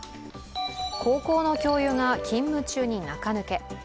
高校の教諭が勤務中に中抜け。